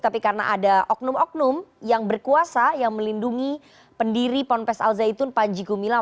tapi karena ada oknum oknum yang berkuasa yang melindungi pendiri pondok pesantren al zaitun pak jiko milang